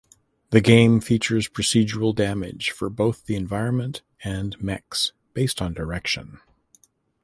The game features procedural damage for both the environment and mechs (based on direction).